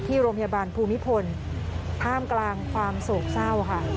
โรงพยาบาลภูมิพลท่ามกลางความโศกเศร้าค่ะ